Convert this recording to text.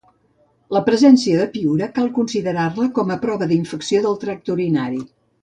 La presència de piúria cal considerar-la com a prova d'infecció del tracte urinari.